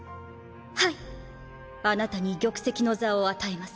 はいあなたに玉石の座を与え